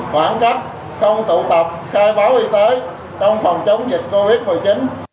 khoảng cách trong tụ tập khai báo y tế trong phòng chống dịch covid một mươi chín